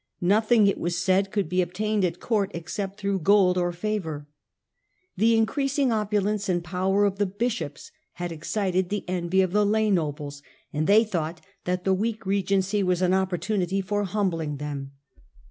No thing, it was said, could be obtained at court except throng gold or favour. Thy iacreasing opulence and power of the bishops had excited the envy of the lay nobles, and they thought that the weak regency was an opportunity for humbling them.